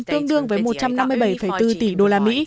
tương đương với một trăm năm mươi bảy bốn tỷ usd